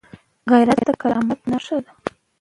غیرت د کرامت نښه ده